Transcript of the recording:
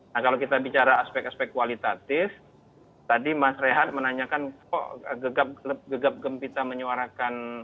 nah kalau kita bicara aspek aspek kualitatif tadi mas rehat menanyakan kok gegap gegap gempita menyuarakan